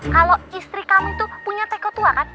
kalau istri kamu itu punya teko tua kan